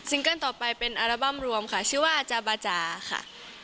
เกิ้ลต่อไปเป็นอัลบั้มรวมค่ะชื่อว่าอาจารย์บาจาค่ะ